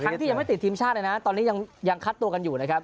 ที่ยังไม่ติดทีมชาติเลยนะตอนนี้ยังคัดตัวกันอยู่นะครับ